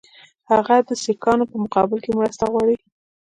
هغه د سیکهانو په مقابل کې مرسته وغواړي.